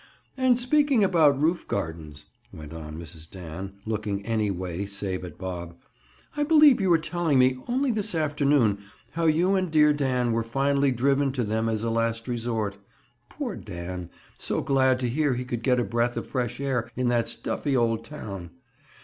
"And speaking about roof gardens," went on Mrs. Dan, looking any way save at Bob, "I believe you were telling me, only this afternoon, how you and dear Dan were finally driven to them as a last resort. Poor Dan! So glad to hear he could get a breath of fresh air in that stuffy old town!